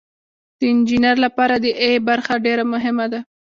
د انجینر لپاره د ای برخه ډیره مهمه ده.